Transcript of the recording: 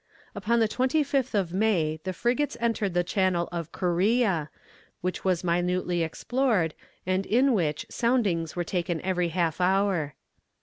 Upon the 25th of May the frigates entered the channel of Corea, which was minutely explored, and in which soundings were taken every half hour.